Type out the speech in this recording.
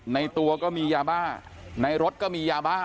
ในตัวก็มียาบ้าในรถก็มียาบ้า